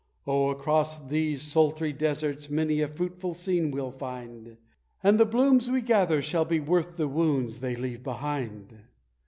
Oh, across these sultry deserts many a fruitful scene we'll find, And the blooms we gather shall be worth the wounds they leave behind!"